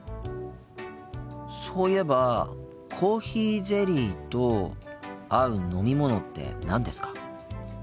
そういえばコーヒーゼリーと合う飲み物って何ですか？